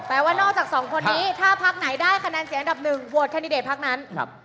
ว่านอกจากสองคนนี้ถ้าพักไหนได้คะแนนเสียงอันดับหนึ่งโหวตแคนดิเดตพักนั้น